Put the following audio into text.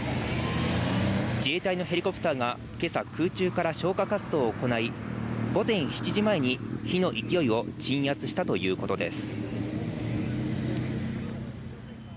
自衛隊のヘリコプターが、今朝空中から消火活動を行い、午前７時前に火の勢いを鎮圧したということです。